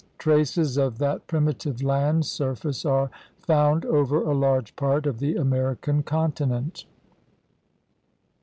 Traces of that primitive land surface are found over a large part of the American continent.